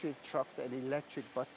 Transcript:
untuk mobil dan bus